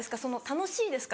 楽しいですか？